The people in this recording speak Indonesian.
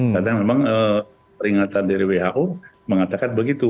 karena memang peringatan dari who mengatakan begitu